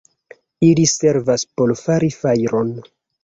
Ili servas por fari fajron.